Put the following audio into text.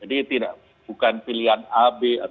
jadi tidak bukan pilihan a b atau c